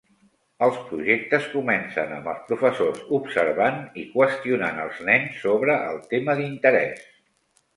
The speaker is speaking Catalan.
Els projectes comencen amb els professors observant i qüestionant els nens sobre el tema d'interès.